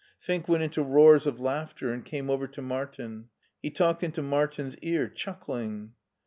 Fink went into roars of laughter and came over to Martin. He talked into Martin's ear, chuckling.